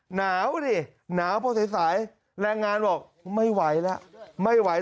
หนาวดิหนาวพอสายแรงงานบอกไม่ไหวแล้วไม่ไหว